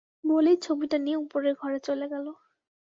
বলেই ছবিটা নিয়ে উপরের ঘরে চলে গেল।